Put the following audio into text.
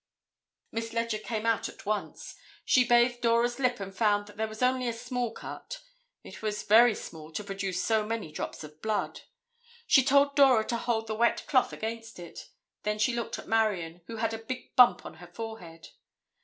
Miss Leger came out at once. She bathed Dora's lip and found that there was only a small cut. It was very small to produce so many drops of blood. She told Dora to hold the wet cloth against it. Then she looked at Marion, who had a big bump on her forehead.